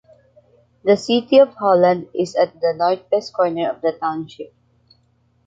The city of Holland is at the northwest corner of the township.